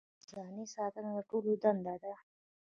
د خزانې ساتنه د ټولو دنده ده.